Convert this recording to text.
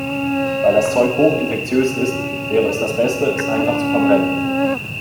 Weil das Zeug hoch infektiös ist, wäre es das Beste, es einfach zu verbrennen.